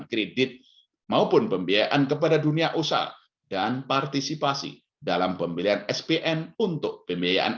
kredit maupun pembiayaan kepada dunia usaha dan partisipasi dalam pembelian spn untuk pembiayaan